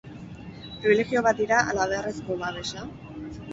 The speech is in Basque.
Pribilegio bat dira ala beharrezko babesa?